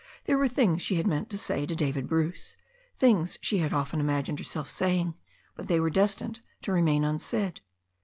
There were things she had meant to say to David Bruce, things she had often imagined herself saying, but they were destined to remain unsaid.